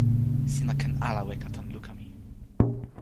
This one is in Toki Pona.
sina ken ala weka tan luka mi.